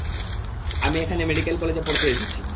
আমি এখানে মেডিকেল কলেজে পড়তে এসেছি।